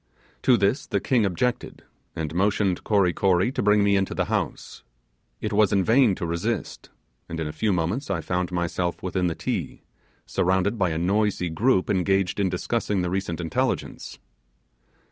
To this the king objected, and motioned Kory Kory to bring me into the house. It was in vain to resist; and in a few moments I found myself within the Ti, surrounded by a noisy group engaged in discussing the recent intelligence.